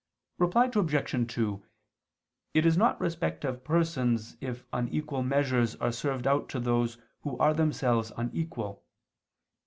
Reply Obj. 2: It is not respect of persons if unequal measures are served out to those who are themselves unequal.